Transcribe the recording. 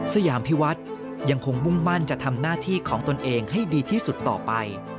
สยามพิวัฒน์ยังคงมุ่งมั่นจะทำหน้าที่ของตนเองให้ดีที่สุดต่อไป